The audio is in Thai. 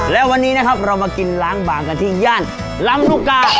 และวันนี้นะครับเรามากินล้างบางกันที่ย่านลำลูกกา